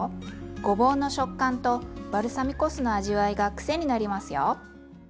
ごぼうの食感とバルサミコ酢の味わいが癖になりますよ。